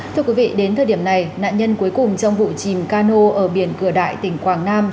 thưa quý vị đến thời điểm này nạn nhân cuối cùng trong vụ chìm cano ở biển cửa đại tỉnh quảng nam